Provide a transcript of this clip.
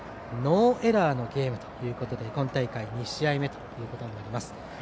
ノーエラーのゲームということで今大会２試合目となります。